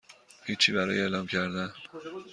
هیچی برای اعلام کردن